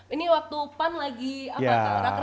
ini waktu pan lagi apa kang